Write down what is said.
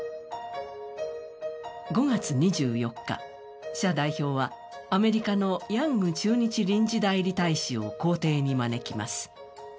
５月２４日、謝代表はアメリカのヤング駐日臨時代理大使を公邸に招きます。